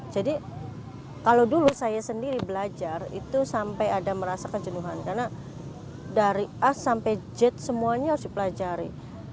jadi kalau dulu saya sendiri belajar itu sampai ada merasa kejenuhan karena dari a sampai z semuanya harus dipelajari